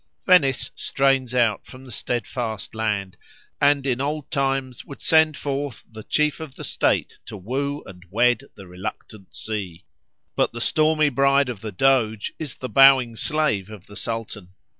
Venice strains out from the steadfast land, and in old times would send forth the chief of the State to woo and wed the reluctant sea; but the stormy bride of the Doge is the bowing slave of the Sultan.